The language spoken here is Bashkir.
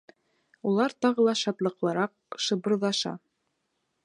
Улар тағы ла шатлыҡлыраҡ шыбырҙаша.